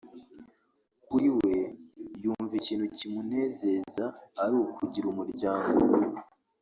Kuri we yumva ikintu kimunezeza ari ukugira umuryango